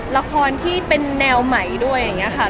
ละครที่เป็นแนวใหม่ด้วยอย่างนี้ค่ะ